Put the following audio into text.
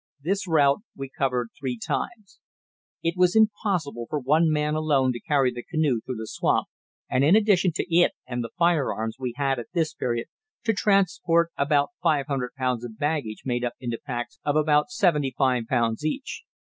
This route we covered three times. It was impossible for one man alone to carry the canoe through the swamp, and in addition to it and the firearms we had at this period to transport about five hundred pounds of baggage made up into packs of about seventy five pounds each.